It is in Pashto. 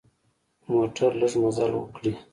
موټر لږ مزل وکړي.